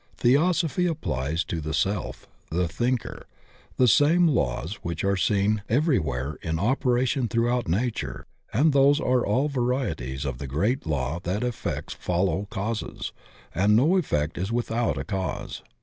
Theosophy applies to the self — ^the thinker — ^the same laws which are seen everywhere in operation throughout nature, and those are all varieties of the great law that effects follow causes and no effect is without a cause.